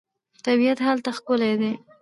طبیعت هلته ښکلی دی.